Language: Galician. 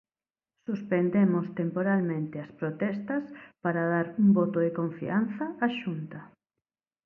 Suspendemos temporalmente as protestas para dar un voto de confianza á Xunta.